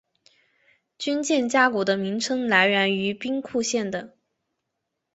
军舰加古的名称来源于兵库县的。